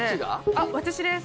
あっ私です